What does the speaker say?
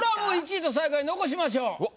１位と最下位残しましょう。